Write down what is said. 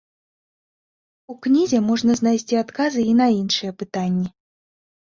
У кнізе можна знайсці адказы і на іншыя пытанні.